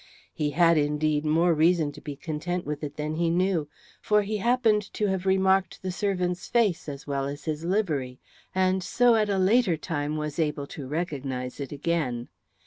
He had indeed more reason to be content with it than he knew, for he happened to have remarked the servant's face as well as his livery, and so at a later time was able to recognise it again.